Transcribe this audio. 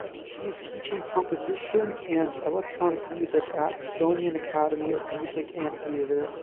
She is teaching composition and electronic music at Estonian Academy of Music and Theatre.